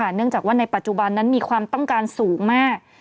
เนื่องจากว่าในปัจจุบันนั้นมีความต้องการสูงมาก